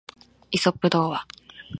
イソップ童話